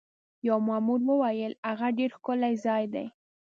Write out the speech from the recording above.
یوه مامور وویل: هغه ډېر ښکلی ځای دی.